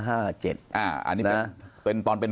อันนี้ตอนเป็น